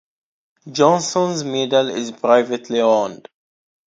Johnson's medal is privately owned.